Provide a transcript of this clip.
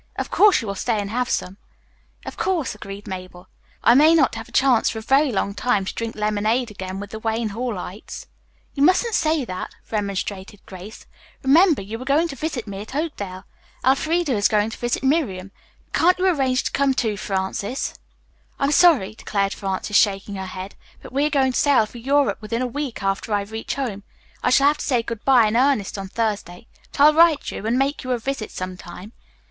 Of course, you will stay and have some." "Of course," agreed Mabel. "I may not have a chance for a very long time to drink lemonade again with the Wayne Hallites." "You mustn't say that," remonstrated Grace. "Remember, you are going to visit me at Oakdale. Elfreda is going to visit Miriam. Can't you can arrange to come, too, Frances?" "I'm sorry," declared Frances, shaking her head, "but we are going to sail for Europe within a week after I reach home. I shall have to say good bye in earnest on Thursday. But I'll write you, and make you a visit some time."